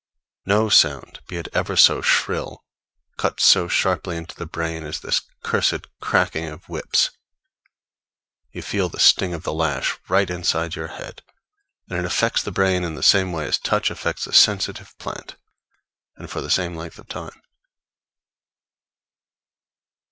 No sound, be it ever so shrill, cuts so sharply into the brain as this cursed cracking of whips; you feel the sting of the lash right inside your head; and it affects the brain in the same way as touch affects a sensitive plant, and for the same length of time.